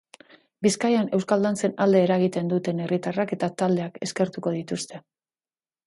Bizkaian euskal dantzen alde eragiten duten herritarrak eta taldeak eskertuko dituzte.